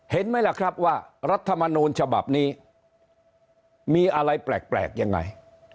เห็นไหมล่ะครับว่ารัฐมนูลฉบับนี้มีอะไรแปลกยังไง